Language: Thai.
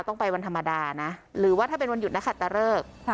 ต้องไปวันธรรมดานะหรือว่าถ้าเป็นวันหยุดนักขัดตะเลิก